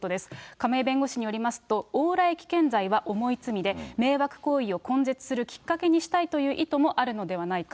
亀井弁護士によりますと、往来危険罪は重い罪で、迷惑行為を根絶するきっかけにしたいという意図もあるのではないか。